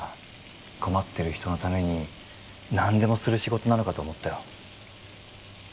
困ってる人のために何でもする仕事なのかと思ったよ